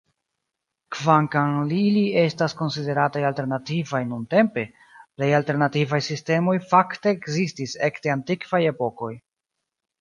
Kvankam ili estas konsiderataj "alternativaj" nuntempe, plej alternativaj sistemoj fakte ekzistis ekde antikvaj epokoj.